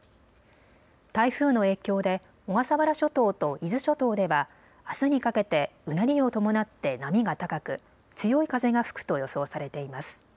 台風の影響で小笠原諸島と伊豆諸島ではあすにかけてうねりを伴って波が高く強い風が吹くと予想されています。